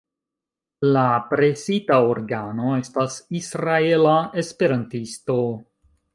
La presita organo estas "Israela Esperantisto".